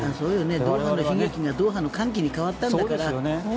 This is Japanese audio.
ドーハの悲劇がドーハの歓喜に変わったんだから。